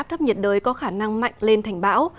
áp thấp nhiệt đới có khả năng mạnh lên thành bão